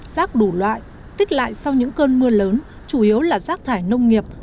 rác đủ loại tích lại sau những cơn mưa lớn chủ yếu là rác thải nông nghiệp